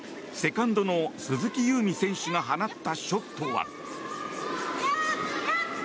セカンドの鈴木夕湖選手が放ったショットは。